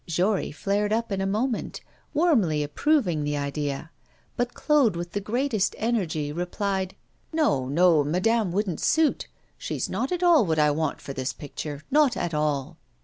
Jory flared up in a moment, warmly approving the idea, but Claude with the greatest energy replied, 'No, no madame wouldn't suit. She is not at all what I want for this picture; not at all.